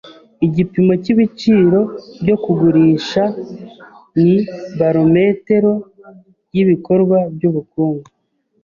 Igipimo cyibiciro byo kugurisha ni barometero yibikorwa byubukungu.